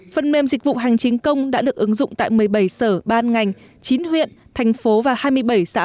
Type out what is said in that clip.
phần mềm dịch vụ hành chính công đã được ứng dụng tại một mươi bảy sở ban ngành chín huyện thành phố và hai mươi bảy xã